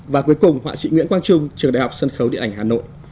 và cuối cùng họa sĩ nguyễn quang trung trường đại học sân khấu điện ảnh hà nội